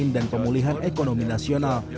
dan pemulihan ekonomi nasional